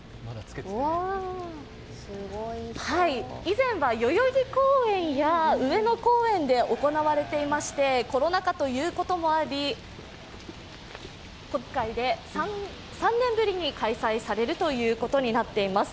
以前は代々木公園や上野公園で行われていまして、コロナ禍ということもあり、今回で３年ぶりに開催されるということになっています。